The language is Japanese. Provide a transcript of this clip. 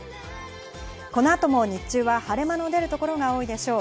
この後も日中は晴れ間の出る所が多いでしょう。